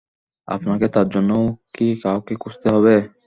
আপনাকে তার জন্যেও কী কাউকে খুঁজতে হবে।